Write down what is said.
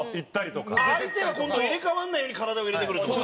山崎：相手が、今度は入れ替わらないように体を入れてくるって事？